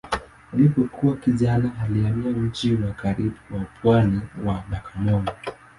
Alipokuwa kijana alihamia mji wa karibu wa pwani wa Bagamoyo.